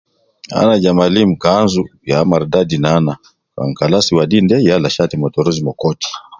Ana ja malima Kanzu ya mardadi naana Kan kalas wadin de yala shati ma koti.